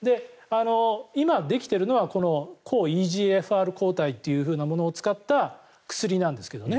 今できているのは抗ＥＧＦＲ抗体というものを使った薬なんですけどね。